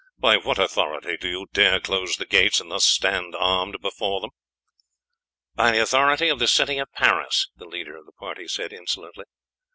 "By what authority do you dare close the gates and thus stand armed before them?" "By the authority of the city of Paris," the leader of the party said insolently.